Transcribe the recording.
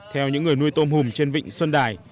theo những người nuôi tôm hùm trên vịnh xuân đài